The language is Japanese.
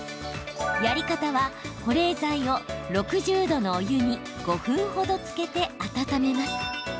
やり方は保冷剤を６０度のお湯に５分ほどつけて温めます。